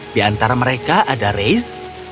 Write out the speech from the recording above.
di antara mereka ada race